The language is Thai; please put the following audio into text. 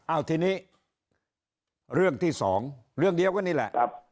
เอาทีนี้เรื่องที่สองเรื่องเดียวกันนี่แหละ